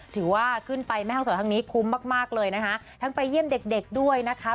ถือว่าขึ้นไปแม่ห้องศรครั้งนี้คุ้มมากมากเลยนะคะทั้งไปเยี่ยมเด็กเด็กด้วยนะคะ